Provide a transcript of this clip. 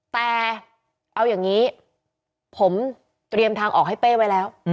แต่เอาอย่างนี้ผมเตรียมทางออกให้เป้ไว้แล้ว